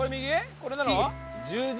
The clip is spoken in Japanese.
これなの？